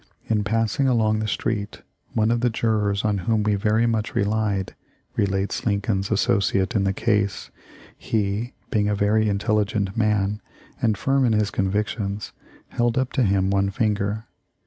"In passing along the street, one of the jurors on whom we very much relied," relates Lincoln's associate in the case,* "he being a very intelligent man and firm in his convic tions, held up to him one finger.